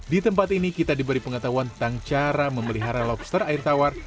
di tempat ini kita diberi pengetahuan tentang cara memelihara lobster air tawar